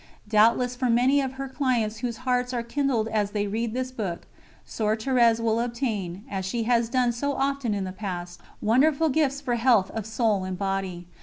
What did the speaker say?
Doubtless for many of her clients whose hearts are kindled as they read this book, Soeur Thérèse will obtain, as she has done so often in the past, wonderful gifts for health of soul and body.